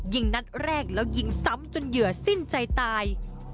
ยิงนัดแรกแล้วยิงซ้ำจนเหยื่อสิ้นใจตาย